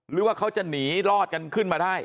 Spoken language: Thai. หรือว่าเขาจะหนีรอดกันขึ้นมาได้